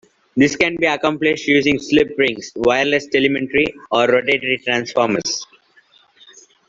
This can be accomplished using slip rings, wireless telemetry, or rotary transformers.